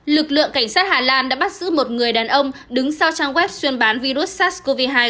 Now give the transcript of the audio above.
lực lượng cảnh sát hà lan đã bắt giữ một người đàn ông đứng sau trang web chuyên bán virus sars cov hai